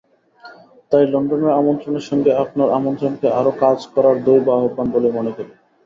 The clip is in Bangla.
তাই লণ্ডনের আমন্ত্রণের সঙ্গে আপনার আমন্ত্রণকে আরও কাজ করার দৈব আহ্বান বলেই মনে করি।